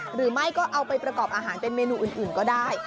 หรือไม่ก็เอาไปประกอบอาหารเป็นเมนูอื่นก็ได้